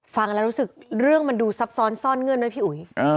ฟังแล้วรู้สึกเรื่องมันดูซับซ้อนซ่อนเงื่อนด้วยพี่อุ๋ย